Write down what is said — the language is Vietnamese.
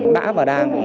đã và đang